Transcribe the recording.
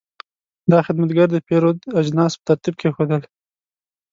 دا خدمتګر د پیرود اجناس په ترتیب کېښودل.